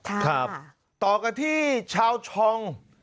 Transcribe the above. ต่อกันที่ชาวช่อง